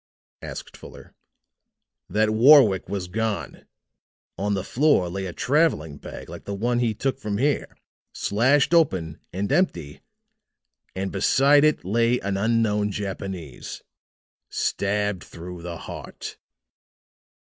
asked Fuller. "That Warwick was gone. On the floor lay a traveling bag like the one he took from here, slashed open and empty, and beside it lay an unknown Japanese stabbed through the heart.